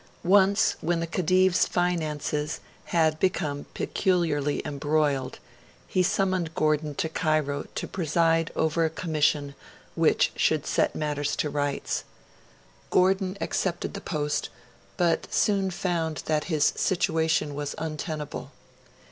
Once, when the Khedive's finances had become peculiarly embroiled, he summoned Gordon to Cairo to preside over a commission which should set matters to rights. Gordon accepted the post, but soon found that his situation was untenable.